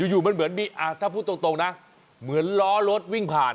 อยู่มันเหมือนมีถ้าพูดตรงนะเหมือนล้อรถวิ่งผ่าน